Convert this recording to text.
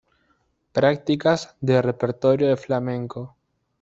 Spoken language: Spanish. Prácticas de Repertorio de Flamenco.